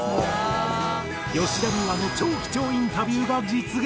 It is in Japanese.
吉田美和の超貴重インタビューが実現！